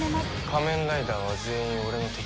仮面ライダーは全員俺の敵だ。